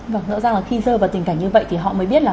và rõ ràng là khi dơ vào tình cảnh như vậy thì họ mới biết là